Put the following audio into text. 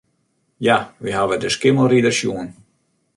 Ja, wy hawwe de Skimmelrider sjoen.